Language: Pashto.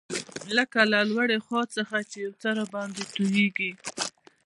لکه له لوړې خوا څخه چي یو څه راباندي تویېږي.